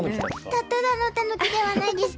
たただのタヌキではないです。